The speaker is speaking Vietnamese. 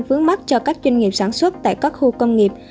vướng mắt cho các doanh nghiệp sản xuất tại các khu công nghiệp